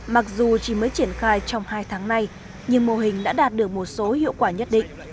mặc dù chỉ mới triển khai trong hai tháng nay nhưng mô hình đã đạt được một số hiệu quả nhất định